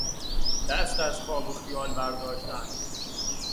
دست از خواب و خیال برداشتن